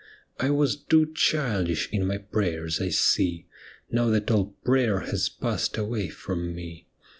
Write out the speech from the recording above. I was too childish in my prayers, I see. Now that all prayer has passed away from me.